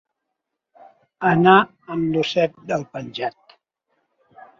Anar amb l'osset del penjat.